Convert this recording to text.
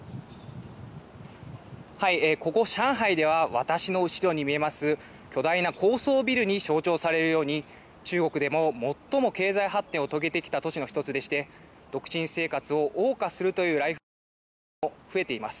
ここ、上海では、私の後ろに見えます、巨大な高層ビルに象徴されるように、中国でも最も経済発展を遂げてきた都市の一つでして、独身生活をおう歌するというライフスタイルの女性も増えています。